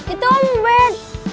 itu om ben